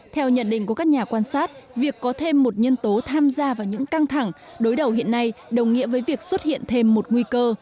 theo nhận định của các nhà quan sát việc có thêm một nhân tố tham gia vào những căng thẳng đối đầu hiện nay đồng nghĩa với việc xuất hiện thêm một nguy cơ